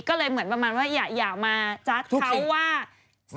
ก็เลยเหมือนประมาณว่าอย่ามาจัดเขาว่า